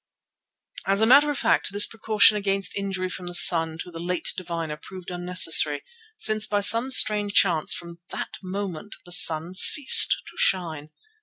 As a matter of fact, this precaution against injury from the sun to the late diviner proved unnecessary, since by some strange chance from that moment the sun ceased to shine.